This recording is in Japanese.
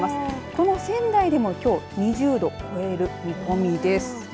この仙台でもきょう２０度を超える見込みです。